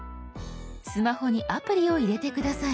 スマホにアプリを入れて下さい。